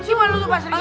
cuma lu tuh pasri kiti